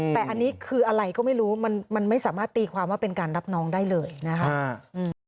แต่อันนี้คืออะไรก็ไม่รู้มันมันไม่สามารถตีความว่าเป็นการรับน้องได้เลยนะครับ